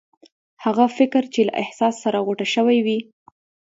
هغه فکر چې له احساس سره غوټه شوی وي.